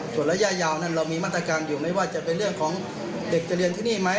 ส่วนระยะยาวนั้นเรามีมาตรการอยู่ไม่ว่าจะเป็นเรื่องของเด็กจะเรียนที่นี่ไหม